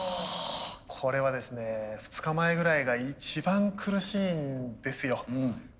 これはですね２日前ぐらいが一番苦しいんですよ。